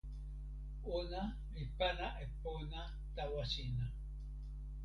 ona li pana e pona tawa sina.